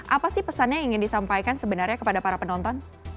apa sih pesannya yang ingin disampaikan sebenarnya kepada mbak mira